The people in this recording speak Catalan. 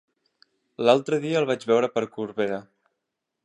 L'altre dia el vaig veure per Corbera.